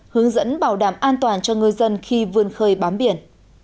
hướng dẫn bảo đảm an toàn cho ngư dân khi vươn khơi bám biển